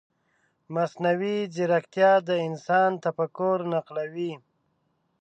مصنوعي ځیرکتیا د انسان تفکر نقلوي.